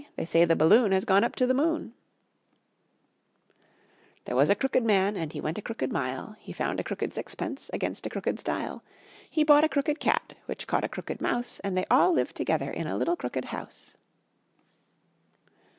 They say the balloon Has gone up to the moon. There was a crooked man, And he went a crooked mile, He found a crooked sixpence Against a crooked stile; He bought a crooked cat Which caught a crooked mouse, And they all lived together In a little crooked house.